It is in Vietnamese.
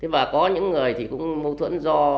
và có những người thì cũng mâu thuẫn